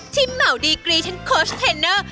เหมาดีกรีทั้งโค้ชเทนเนอร์